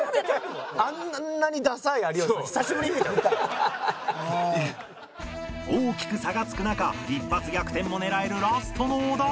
あんなに大きく差がつく中一発逆転も狙えるラストのお題